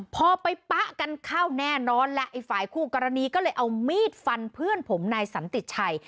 พอไปปะกันเข้าแน่นอนแล้วไอ้ฝ่ายคู่กรณีก็เลยเอามีดฟันเพื่อนผมนายสันติชัย